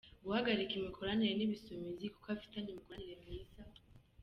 guhagarika imikoranire n Ibisumizi kuko afitanye imikoranire myiza.